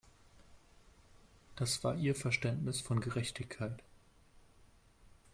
Das war ihr Verständnis von Gerechtigkeit.